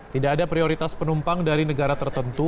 tidak ada prioritas penumpang dari negara tertentu